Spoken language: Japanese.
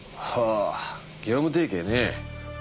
ああ業務提携ね。